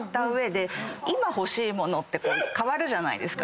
今欲しい物って変わるじゃないですか。